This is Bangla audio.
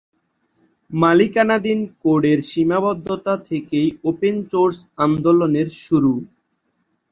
মালিকানাধীন কোডের সীমাবদ্ধতা থেকেই ওপেন সোর্স আন্দোলনের শুরু।